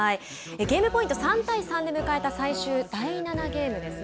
ゲームポイント３対３で迎えた最終第７ゲームですね。